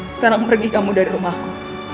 sekarang pergi kamu dari rumahku